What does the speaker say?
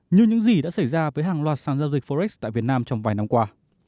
như những gì đã xảy ra với hàng loạt sàn giao dịch forex tại việt nam trong vài năm qua